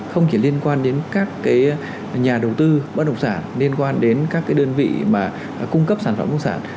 không chỉ liên quan đến các cái nhà đầu tư bất động sản liên quan đến các cái đơn vị mà cung cấp sản phẩm bất động sản